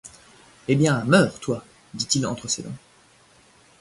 Eh bien ! meurs, toi ! dit-il entre ses dents.